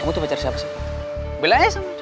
kamu tuh pacar siapa sih